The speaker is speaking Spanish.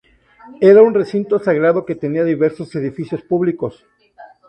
Era un recinto sagrado que tenía diversos edificios públicos.